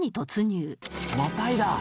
「またいだ」